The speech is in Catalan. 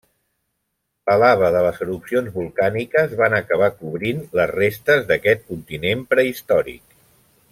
La lava de les erupcions volcàniques van acabar cobrint les restes d'aquest continent prehistòric.